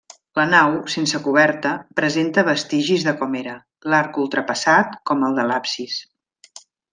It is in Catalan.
La nau, sense coberta, presenta vestigis de com era: d'arc ultrapassat, com el de l'absis.